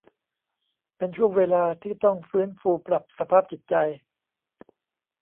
เป็นช่วงเวลาที่ต้องฟื้นฟูปรับสภาพจิตใจ